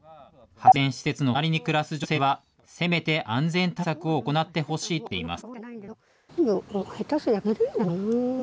発電施設の隣に暮らす女性は、せめて安全対策を行ってほしいと考えています。